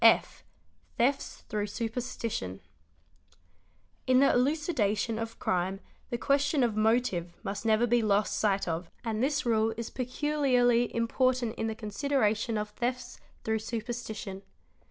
} F, Thefts through superstition. In the elucidation of crime the question of 'motive must never be lost — sight of and this rule is peculiarly important in the consideration of thefts through superstition.